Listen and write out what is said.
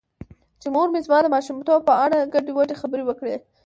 چې مور مې زما د ماشومتوب په اړه ګډې وګډې خبرې وکړې .